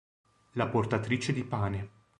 La portatrice di pane